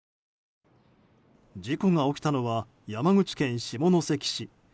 事故が起きたのは山口県下関市。